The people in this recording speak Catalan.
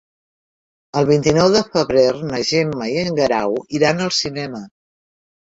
El vint-i-nou de febrer na Gemma i en Guerau iran al cinema.